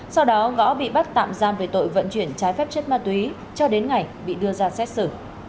sau đó gõ bị bắt tạm giam về tội vận chuyển trái phép chất ma túy cho đến ngày bị đưa ra xét xử